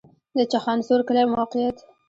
د چخانسور کلی موقعیت